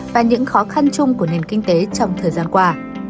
và những khó khăn chung của nền kinh tế trong thời gian qua